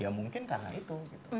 ya mungkin karena itu